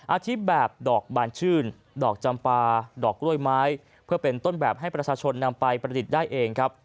อาทิตย์แบบดอกบานชื่นดอกจำปาดอกกล้วยไม้เพื่อเป็นต้นแบบให้ประชาชนนำไปประดิษฐ์ได้เองครับ